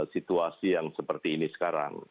situasi yang seperti ini sekarang